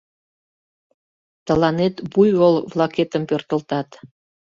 — Тыланет буйвол-влакетым пӧртылтат.